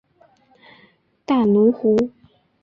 大奴湖。